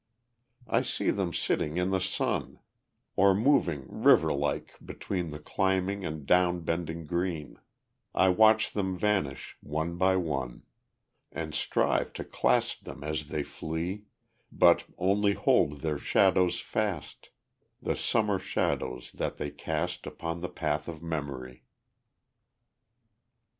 I see them sitting in the sun, Or moving river like between The climbing and down bending green, I watch them vanish one by one, And strive to clasp them as they flee, But only hold their shadows fast The summer shadows that they cast Upon the path of memory.